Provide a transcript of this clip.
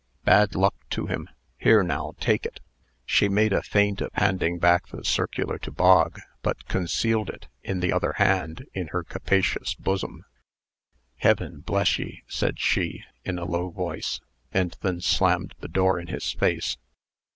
Bad luck to him! Here, now, take it." She made a feint of handing back the circular to Bog, but concealed it, with the other hand, in her capacious bosom. "Heaven bless ye!" said she, in a low voice, and then slammed the door in his face.